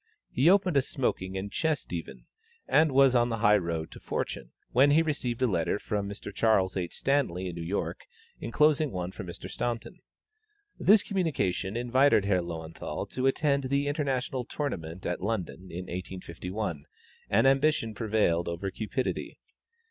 He opened a smoking and chess divan, and was on the high road to fortune, when he received a letter from Mr. Charles H. Stanley, in New York, enclosing one from Mr. Staunton. This communication invited Herr Löwenthal to attend the International Tournament at London, in 1851, and ambition prevailed over cupidity.